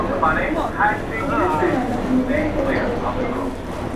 urimo kwibanda ku mibereho y’Abasosiyalisiti